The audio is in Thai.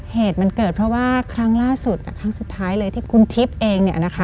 เหตุมันเกิดเพราะว่าครั้งล่าสุดครั้งสุดท้ายเลยที่คุณทิพย์เองเนี่ยนะคะ